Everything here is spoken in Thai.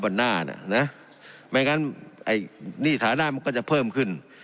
หน้าน่ะนะไม่งั้นไอ้หนี้ฐานะมันก็จะเพิ่มขึ้น